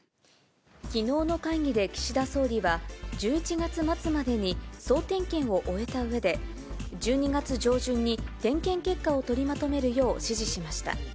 きのうの会議で岸田総理は、１１月末までに総点検を終えたうえで、１２月上旬に点検結果を取りまとめるよう指示しました。